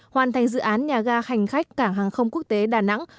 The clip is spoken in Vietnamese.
hoàn thành dự án nhà ga hành khách cảng hàng không quốc tế đà nẵng